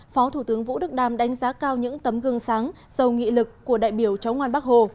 phó thủ tướng vũ đức đam đánh giá cao những tấm gương sáng dầu nghị lực của đại biểu cháu ngoan bắc hồ